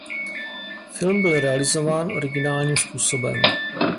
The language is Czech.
Film byl realizován originálním způsobem.